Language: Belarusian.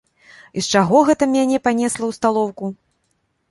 І з чаго гэта мяне панесла ў сталоўку?